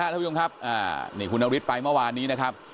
ท่านผู้ชมครับนี่คุณนฤทธิไปเมื่อวานนี้นะครับ